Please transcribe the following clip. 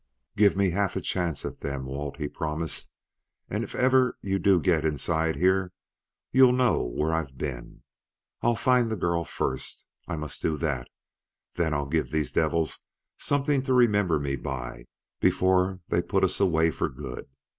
"Give me half a chance at them, Walt," he promised, "and if ever you do get inside here, you'll know where I've been. I'll find the girl first I must do that then I'll give these devils something to remember me by before they put us away for good!"